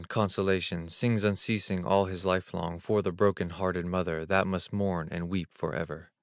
Consolation!" Sings unceasing all his life long For the broken hearted mother That must mourn and weep forever.